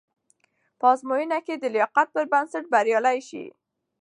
په ازموینو کې د لایقت پر بنسټ بریالي شئ.